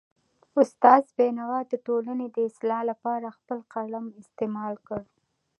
استاد بینوا د ټولنې د اصلاح لپاره خپل قلم استعمال کړ.